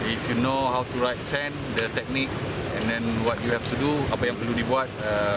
jika anda tahu cara berlatih sen teknik dan apa yang perlu dibuat